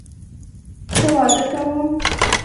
زه واده کوم